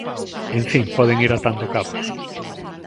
En fin, poden ir atando cabos.